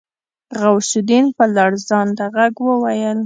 غوث الدين په لړزانده غږ وويل.